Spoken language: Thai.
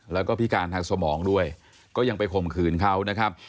แล้วก็พิการทางสมองด้วยก็ยังไปข่มขืนเขานะครับ